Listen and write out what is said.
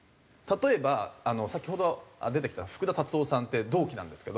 例えば先ほど出てきた福田達夫さんって同期なんですけど。